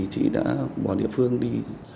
chị đã bỏ địa phương đi